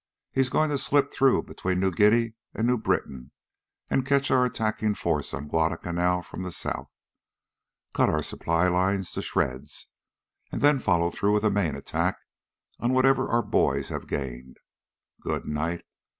He's going to slip through between New Guinea and New Britain and catch our attacking force on Guadalcanal from the south? Cut our supply lines to shreds, and then follow through with a main attack on whatever our boys have gained. Good night!